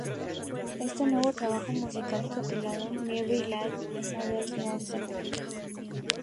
Este nuevo trabajo musical titulado Merrie Land, saldrá a finales de noviembre.